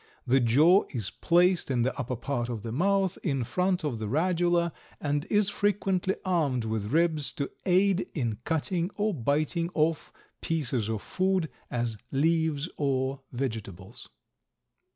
The jaw is placed in the upper part of the mouth in front of the radula, and is frequently armed with ribs to aid in cutting or biting off pieces of food, as leaves or vegetables.